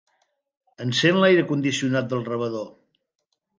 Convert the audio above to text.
Encén l'aire condicionat del rebedor.